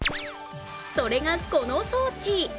それがこの装置。